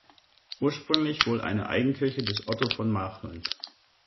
Ursprünglich wohl eine Eigenkirche des Otto von Machland.